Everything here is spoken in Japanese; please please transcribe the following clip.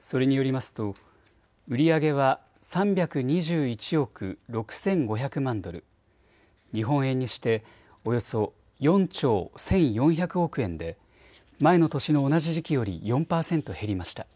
それによりますと売り上げは３２１億６５００万ドル、日本円にしておよそ４兆１４００億円で前の年の同じ時期より４％減りました。